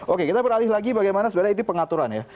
oke kita beralih lagi bagaimana sebenarnya itu pengaturan ya